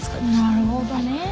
なるほどね。